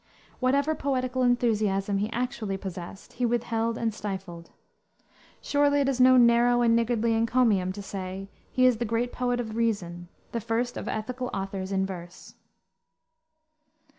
Whatever poetical enthusiasm he actually possessed he withheld and stifled. Surely it is no narrow and niggardly encomium to say, he is the great Poet of Reason, the first of Ethical authors in verse."